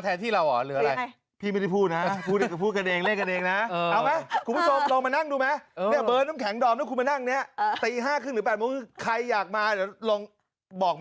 เดี่ยวร้านรักสมัสเรา๒คนลุกเลยไหม